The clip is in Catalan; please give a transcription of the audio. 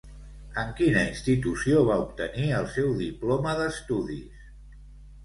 En quina institució va obtenir el seu diploma d'estudis?